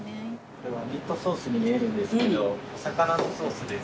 これはミートソースに見えるんですけどお魚のソースです。